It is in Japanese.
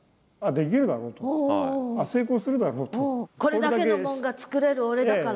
これだけのもんが作れる俺だから。